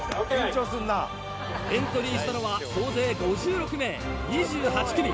エントリーしたのは総勢５６名２８組。